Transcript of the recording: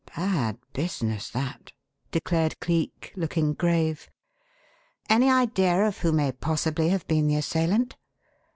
"Bad business, that," declared Cleek, looking grave. "Any idea of who may possibly have been the assailant?